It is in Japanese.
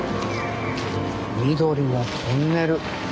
緑のトンネル。